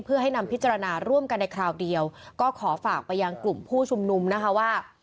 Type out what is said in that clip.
เพื่อให้นำพิจารณาร่วมกันในคราวเดียวก็ขอฝากไปยังกลุ่มผู้ชุมนุมนะคะว่า